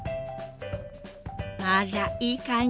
あらいい感じ。